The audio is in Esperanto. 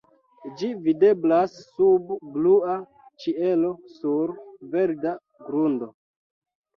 Ĝi videblas sub blua ĉielo sur verda grundo.